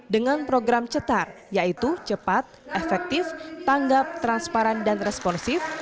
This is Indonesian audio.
dengan program cetar yaitu cepat efektif tanggap transparan dan responsif